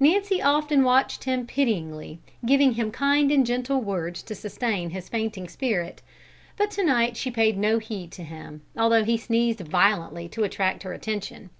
Nancy often watched him pityingly, giving him kind and gentle words to sustain his fainting spirit, but to night she paid no heed to him, although he sneezed violently to attract her attention.